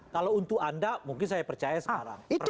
kalau untuk anda mungkin saya percaya sekarang